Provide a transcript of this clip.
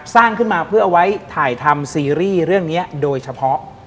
สร้างขึ้นมาเพื่อเอาไว้ถ่ายทำซีรีส์เรื่องนี้โดยเฉพาะ